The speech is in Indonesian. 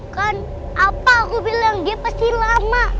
kan apa aku bilang dia pasti lama